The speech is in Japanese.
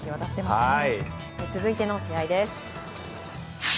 続いての試合です。